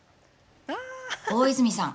大泉さん